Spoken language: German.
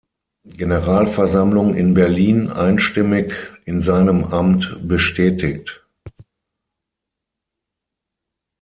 Generalversammlung in Berlin einstimmig in seinem Amt bestätigt.